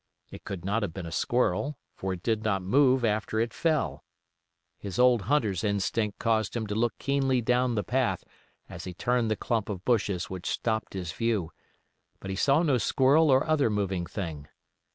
It could not have been a squirrel, for it did not move after it fell. His old hunter's instinct caused him to look keenly down the path as he turned the clump of bushes which stopped his view; but he saw no squirrel or other moving thing.